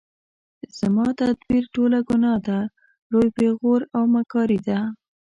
زما تدبیر ټوله ګناه ده لوی پیغور او مکاري ده